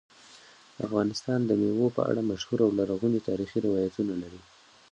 افغانستان د مېوو په اړه مشهور او لرغوني تاریخی روایتونه لري.